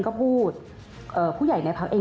ก็พูดเสียงดังฐานชินวัฒน์